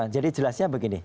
jadi jelasnya begini